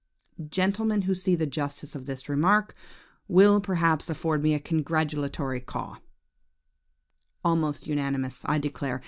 Gentlemen who see the justice of this remark, will, perhaps, afford me a congratulatory caw. "Almost unanimous, I declare!